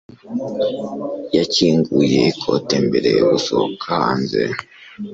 Yakinguye ikote mbere yo gusohoka hanze